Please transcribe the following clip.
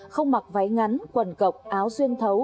không mặc váy ngắn quần cọc áo xuyên thấu